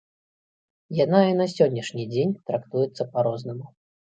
Яна і на сённяшні дзень трактуецца па-рознаму.